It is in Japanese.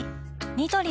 ニトリ